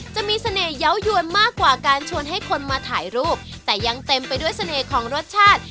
จะมีเสน่หเยาวยวนมากกว่าการชวนให้คนมาถ่ายรูปแต่ยังเต็มไปด้วยเสน่ห์ของรสชาติ